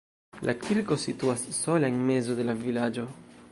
La kirko situas sola en mezo de la vilaĝo.